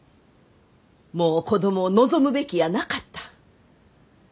もう子供を望むべきやなかった。